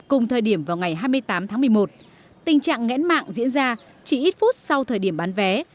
cùng thời điểm vào ngày hai mươi tám tháng một mươi một tình trạng nghẽn mạng diễn ra chỉ ít phút sau thời điểm bán vé